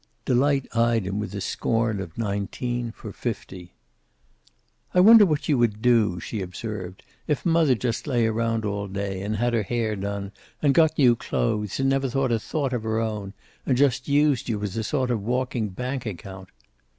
Delight eyed him with the scorn of nineteen for fifty. "I wonder what you would do," she observed, "if mother just lay around all day, and had her hair done, and got new clothes, and never thought a thought of her own, and just used you as a sort of walking bank account?"